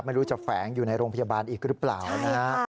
ไม่รู้จะแฝงอยู่ในโรงพยาบาลอีกหรือเปล่านะฮะ